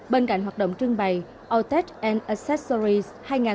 bên cạnh hoạt động trưng bày autotech accessories hai nghìn hai mươi ba